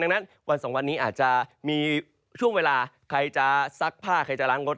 ดังนั้นวันสองวันนี้อาจจะมีช่วงเวลาใครจะซักผ้าใครจะล้างรถ